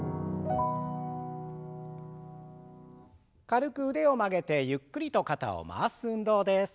軽く腕を曲げてゆっくりと肩を回す運動です。